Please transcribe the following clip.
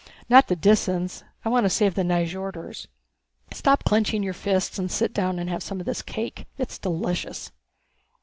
"Not the Disans. I want to save the Nyjorders. Stop clenching your fists and sit down and have some of this cake. It's delicious.